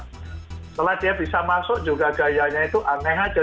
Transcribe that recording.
setelah dia bisa masuk juga gayanya itu aneh aja